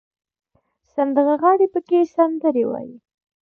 سندرغاړي پکې سندرې وايي.